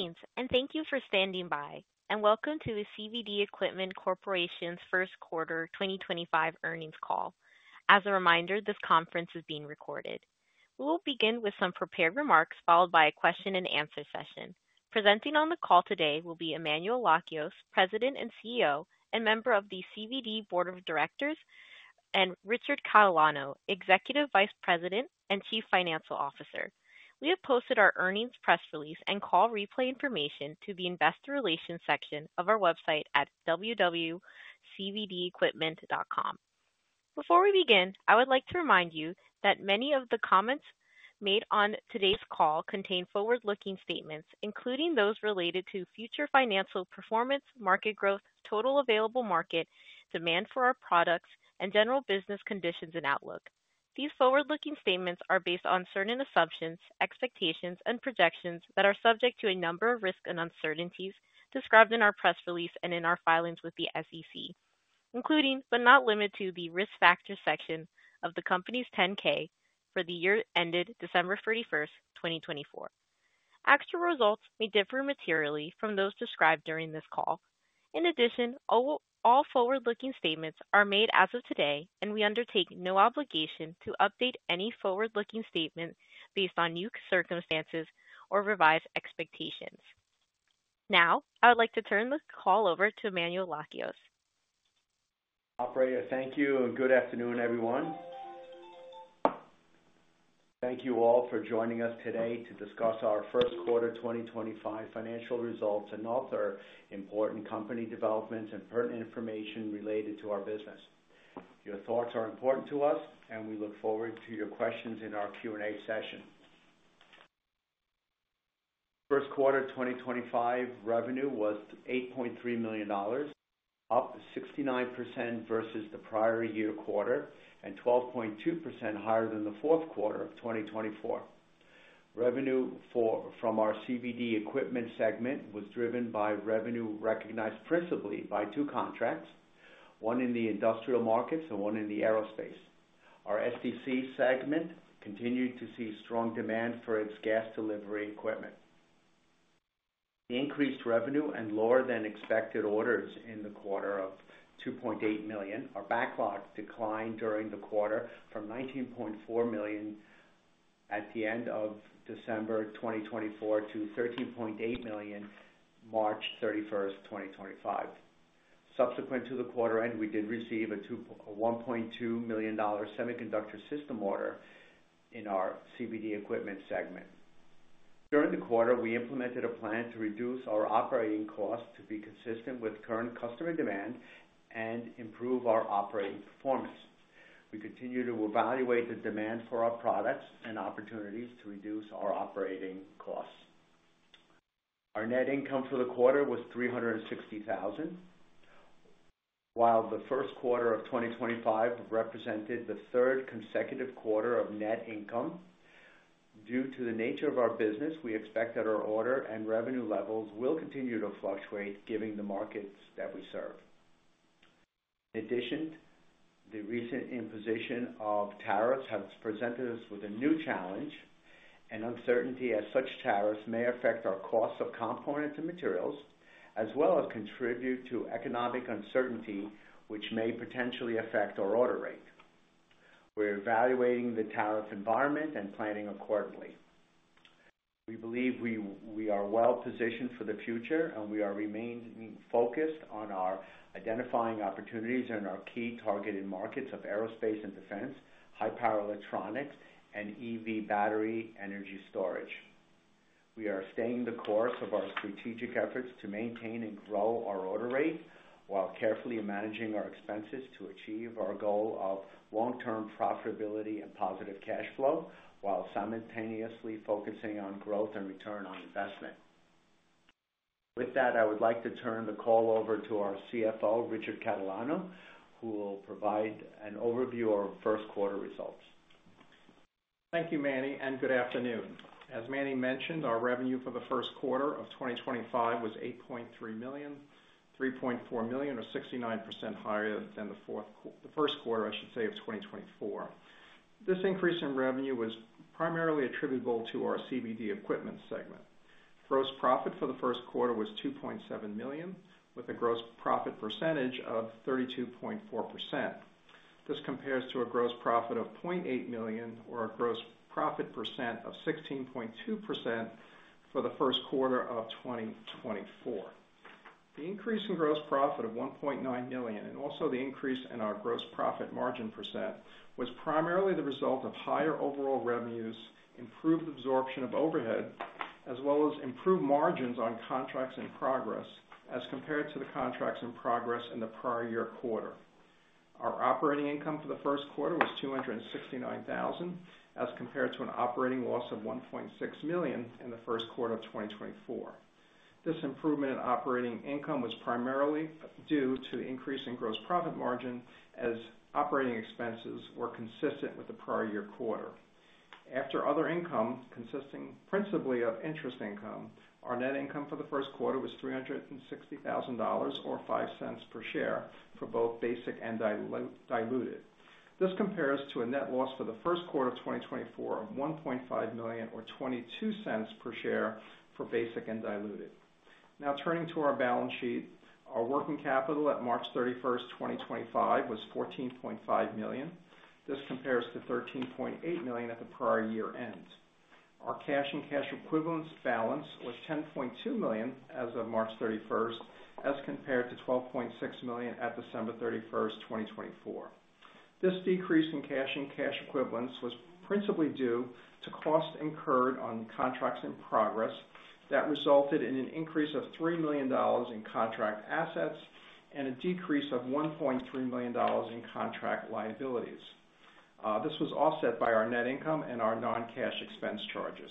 Greetings, and thank you for standing by. Welcome to the CVD Equipment Corporation's first quarter 2025 earnings call. As a reminder, this conference is being recorded. We will begin with some prepared remarks followed by a question-and-answer session. Presenting on the call today will be Emmanuel Lakios, President and CEO and member of the CVD Board of Directors, and Richard Catalano, Executive Vice President and Chief Financial Officer. We have posted our earnings press release and call replay information to the investor relations section of our website at www.cvdequipment.com. Before we begin, I would like to remind you that many of the comments made on today's call contain forward-looking statements, including those related to future financial performance, market growth, total available market demand for our products, and general business conditions and outlook. These forward-looking statements are based on certain assumptions, expectations, and projections that are subject to a number of risks and uncertainties described in our press release and in our filings with the SEC, including but not limited to the risk factor section of the company's 10-K for the year ended December 31st, 2024. Actual results may differ materially from those described during this call. In addition, all forward-looking statements are made as of today, and we undertake no obligation to update any forward-looking statement based on new circumstances or revised expectations. Now, I would like to turn the call over to Emmanuel Lakios. Operator, thank you, and good afternoon, everyone. Thank you all for joining us today to discuss our first quarter 2025 financial results and other important company developments and pertinent information related to our business. Your thoughts are important to us, and we look forward to your questions in our Q&A session. First quarter 2025 revenue was $8.3 million, up 69% versus the prior year quarter and 12.2% higher than the fourth quarter of 2024. Revenue from our CVD Equipment segment was driven by revenue recognized principally by two contracts, one in the industrial markets and one in the aerospace. Our SEC segment continued to see strong demand for its gas delivery equipment. Increased revenue and lower-than-expected orders in the quarter of $2.8 million are backlog declined during the quarter from $19.4 million at the end of December 2024 to $13.8 million March 31st, 2025. Subsequent to the quarter end, we did receive a $1.2 million semiconductor system order in our CVD Equipment segment. During the quarter, we implemented a plan to reduce our operating costs to be consistent with current customer demand and improve our operating performance. We continue to evaluate the demand for our products and opportunities to reduce our operating costs. Our net income for the quarter was $360,000, while the first quarter of 2025 represented the third consecutive quarter of net income. Due to the nature of our business, we expect that our order and revenue levels will continue to fluctuate given the markets that we serve. In addition, the recent imposition of tariffs has presented us with a new challenge and uncertainty as such tariffs may affect our costs of components and materials, as well as contribute to economic uncertainty, which may potentially affect our order rate. We're evaluating the tariff environment and planning accordingly. We believe we are well positioned for the future, and we are remaining focused on identifying opportunities in our key targeted markets of aerospace and defense, high-power electronics, and EV battery energy storage. We are staying the course of our strategic efforts to maintain and grow our order rate while carefully managing our expenses to achieve our goal of long-term profitability and positive cash flow, while simultaneously focusing on growth and return on investment. With that, I would like to turn the call over to our CFO, Richard Catalano, who will provide an overview of first quarter results. Thank you, Emanuel, and good afternoon. As Emanuel mentioned, our revenue for the first quarter of 2025 was $8.3 million, $3.4 million, or 69% higher than the first quarter, I should say, of 2024. This increase in revenue was primarily attributable to our CVD Equipment segment. Gross profit for the first quarter was $2.7 million, with a gross profit percentage of 32.4%. This compares to a gross profit of $0.8 million or a gross profit percent of 16.2% for the first quarter of 2024. The increase in gross profit of $1.9 million and also the increase in our gross profit margin percent was primarily the result of higher overall revenues, improved absorption of overhead, as well as improved margins on contracts in progress as compared to the contracts in progress in the prior year quarter. Our operating income for the first quarter was $269,000 as compared to an operating loss of $1.6 million in the first quarter of 2024. This improvement in operating income was primarily due to the increase in gross profit margin as operating expenses were consistent with the prior year quarter. After other income consisting principally of interest income, our net income for the first quarter was $360,000 or $0.05 per share for both basic and diluted. This compares to a net loss for the first quarter of 2024 of $1.5 million or $0.22 per share for basic and diluted. Now turning to our balance sheet, our working capital at March 31st, 2025 was $14.5 million. This compares to $13.8 million at the prior year end. Our cash and cash equivalents balance was $10.2 million as of March 31st as compared to $12.6 million at December 31st, 2024. This decrease in cash and cash equivalents was principally due to costs incurred on contracts in progress that resulted in an increase of $3 million in contract assets and a decrease of $1.3 million in contract liabilities. This was offset by our net income and our non-cash expense charges.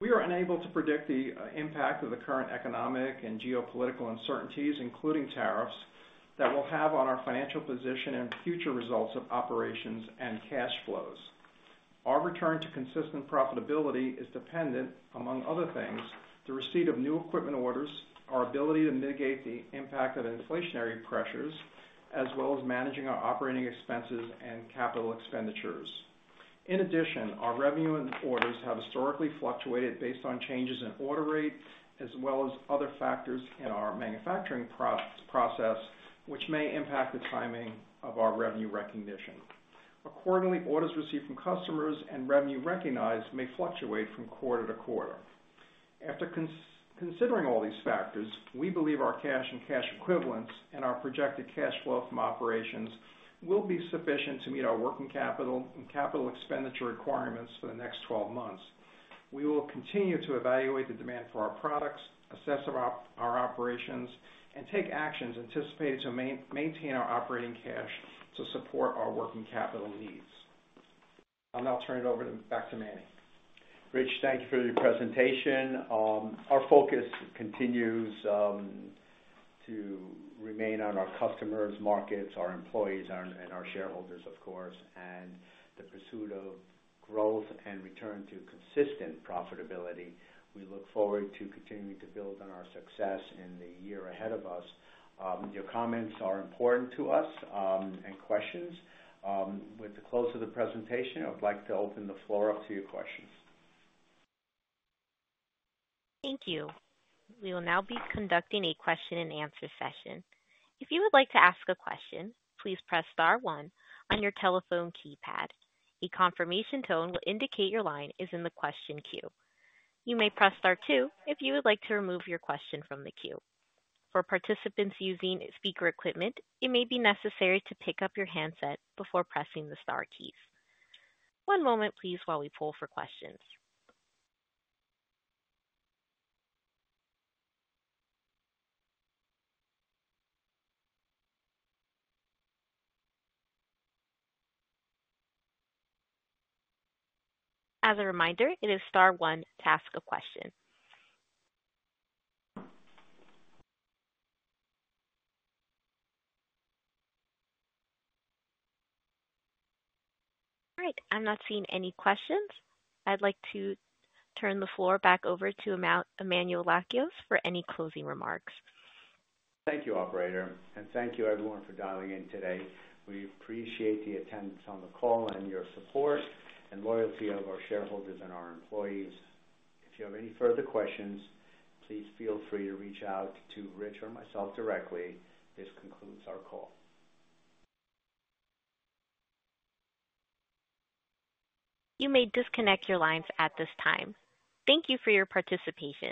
We are unable to predict the impact of the current economic and geopolitical uncertainties, including tariffs, that will have on our financial position and future results of operations and cash flows. Our return to consistent profitability is dependent, among other things, on the receipt of new equipment orders, our ability to mitigate the impact of inflationary pressures, as well as managing our operating expenses and capital expenditures. In addition, our revenue and orders have historically fluctuated based on changes in order rate as well as other factors in our manufacturing process, which may impact the timing of our revenue recognition. Accordingly, orders received from customers and revenue recognized may fluctuate from quarter to quarter. After considering all these factors, we believe our cash and cash equivalents and our projected cash flow from operations will be sufficient to meet our working capital and capital expenditure requirements for the next 12 months. We will continue to evaluate the demand for our products, assess our operations, and take actions anticipated to maintain our operating cash to support our working capital needs. I'll turn it over back to Emanuel. Richard, thank you for your presentation. Our focus continues to remain on our customers, markets, our employees, and our shareholders, of course, and the pursuit of growth and return to consistent profitability. We look forward to continuing to build on our success in the year ahead of us. Your comments are important to us and questions. With the close of the presentation, I would like to open the floor up to your questions. Thank you. We will now be conducting a question-and-answer session. If you would like to ask a question, please press star one on your telephone keypad. A confirmation tone will indicate your line is in the question queue. You may press star two if you would like to remove your question from the queue. For participants using speaker equipment, it may be necessary to pick up your handset before pressing the star keys. One moment, please, while we pull for questions. As a reminder, it is star one to ask a question. All right. I'm not seeing any questions. I'd like to turn the floor back over to Emmanuel Lakios for any closing remarks. Thank you, Operator, and thank you, everyone, for dialing in today. We appreciate the attendance on the call and your support and loyalty of our shareholders and our employees. If you have any further questions, please feel free to reach out to Richard or myself directly. This concludes our call. You may disconnect your lines at this time. Thank you for your participation.